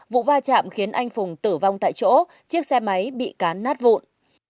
vụ va chạm khiến anh phùng tử vong tại chỗ chiếc xe máy bị cán nát vụn